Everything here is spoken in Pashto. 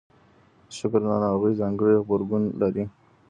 د شکر ناروغان ځانګړی غبرګون لري.